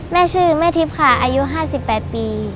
แม่ชื่อแม่ทิพย์ค่ะอายุ๕๘ปี